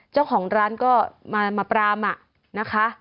เจ้าของร้านก็มาปรามนะคะ